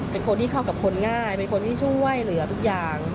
เป็นคนที่เข้ากับคนง่ายเป็นคนที่ช่วยเหลือทุกอย่าง